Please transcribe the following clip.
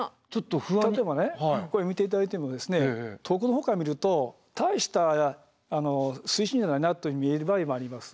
例えばこれ見て頂いても遠くのほうから見ると大した水深じゃないなと見える場合もあります。